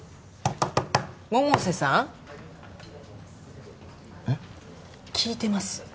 百瀬さんえっ？聞いてます？